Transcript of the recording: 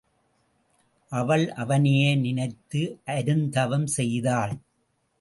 அவள் அவனையே நினைத்து அருந்தவம் செய்தாள்.